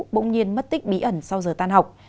bỗng nhiên mất tích bí ẩn sau giờ tan học